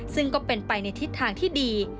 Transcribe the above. ซึ่งก็เป็นไปในทิศทางที่ดี